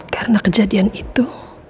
karena kejadian itu